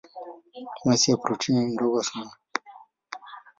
Masi ya protoni ni ndogo sana.